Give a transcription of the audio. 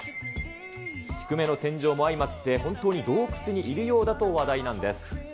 低めの天井も相まって、本当に洞窟にいるようだと話題なんです。